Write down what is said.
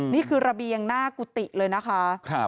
ระเบียงหน้ากุฏิเลยนะคะ